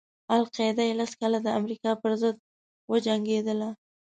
القاعده یې لس کاله د امریکا پر ضد وجنګېدله.